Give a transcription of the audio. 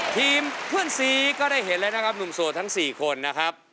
เพื่อนซีก็ได้เห็นแล้วนะครับหนุ่มโสดทั้ง๔คนนะครับ